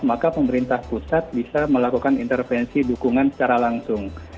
maka pemerintah pusat bisa melakukan intervensi dukungan secara langsung